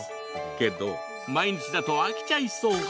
けど、毎日だと飽きちゃいそう。